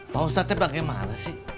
pak ustadz yang bagaimana sih